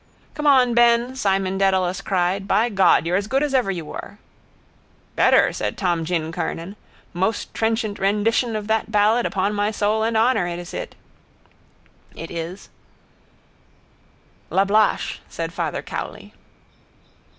—Come on, Ben, Simon Dedalus cried. By God, you're as good as ever you were. —Better, said Tomgin Kernan. Most trenchant rendition of that ballad, upon my soul and honour it is. —Lablache, said Father Cowley.